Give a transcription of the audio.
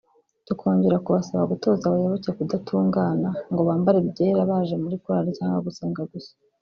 tukongera kubasaba gutoza abayoboke kudatungana ngo bambare ibyera baje muri korari cyangwa gusenga gusa